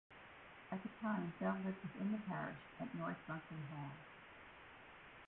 At the time Bell lived within the parish at North Runcton Hall.